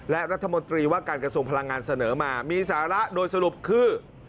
และรัฐมนตรีว่าการกระทรวงพลังงานเสนอมามีสาระโดยสรุปคือ